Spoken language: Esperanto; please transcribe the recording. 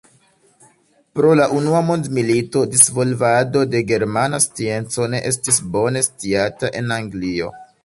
Pro la Unua mondmilito, disvolvado de germana scienco ne estis bone sciata en Anglio.